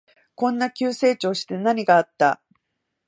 こんな急成長して何があった？